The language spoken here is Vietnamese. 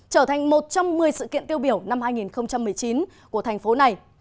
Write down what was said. trở thành một trong một mươi sự kiện tiêu biểu năm hai nghìn một mươi chín của thành phố này